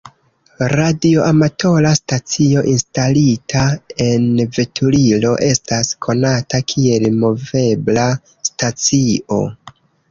Radioamatora stacio instalita en veturilo estas konata kiel movebla stacio.